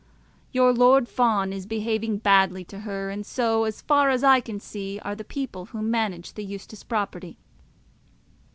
Your Lord Fawn is behaving badly to her; and so, as far as I can see, are the people who manage the Eustace property.